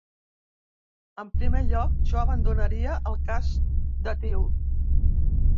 En primer lloc, jo abandonaria el cas Datiu.